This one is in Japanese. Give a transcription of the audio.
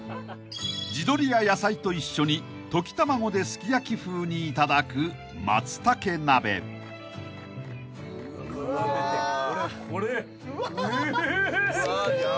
［地鶏や野菜と一緒に溶き卵ですき焼き風にいただく］うま！